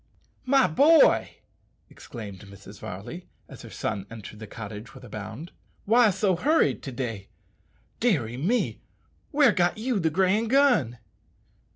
"My boy," exclaimed Mrs. Varley, as her son entered the cottage with a bound, "why so hurried to day? Deary me! where got you the grand gun?"